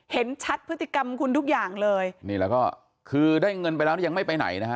เห็นชัดพฤติกรรมคุณทุกอย่างเลยนี่แล้วก็คือได้เงินไปแล้วนี่ยังไม่ไปไหนนะฮะ